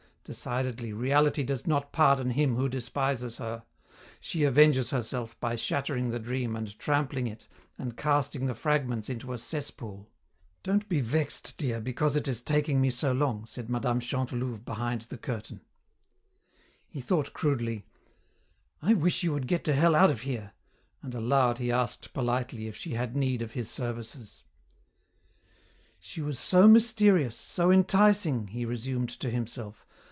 Decidedly, Reality does not pardon him who despises her; she avenges herself by shattering the dream and trampling it and casting the fragments into a cesspool. "Don't be vexed, dear, because it is taking me so long," said Mme. Chantelouve behind the curtain. He thought crudely, "I wish you would get to hell out of here," and aloud he asked politely if she had need of his services. "She was so mysterious, so enticing," he resumed to himself.